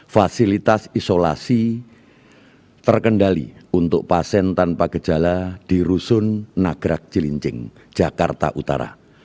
fasilitas isolasi terkendali untuk pasien tanpa gejala di rusun nagrak cilincing jakarta utara